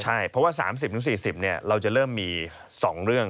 ใช่เพราะว่า๓๐๔๐เราจะเริ่มมี๒เรื่อง